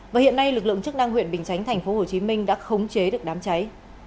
và hiện nay lực lượng chức năng huyện bình chánh tp hcm đã khống chế được đám cháy